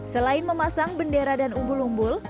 selain memasang bendera dan umbul umbul